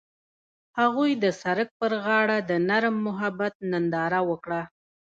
هغوی د سړک پر غاړه د نرم محبت ننداره وکړه.